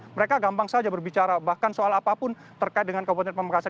mereka gampang saja berbicara bahkan soal apapun terkait dengan kabupaten pamekasan